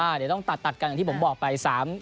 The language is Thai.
เดี๋ยวต้องตัดกันอย่างที่ผมบอกไป